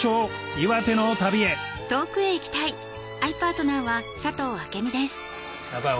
岩手の旅へやばい